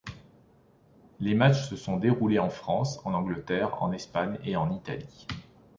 Les matchs se sont déroulés en France, en Angleterre, en Espagne et en Italie.